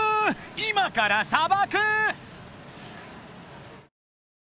今から砂漠？］